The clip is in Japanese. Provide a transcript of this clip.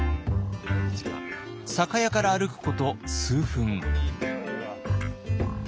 酒屋から歩くこと数分。